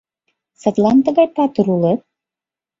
— Садлан тыгай патыр улыт?